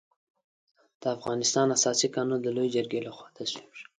د افغانستان اساسي قانون د لويې جرګې له خوا تصویب شو.